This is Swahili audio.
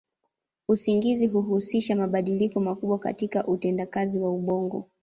Usingizi huhusisha mabadiliko makubwa katika utendakazi wa ubongo.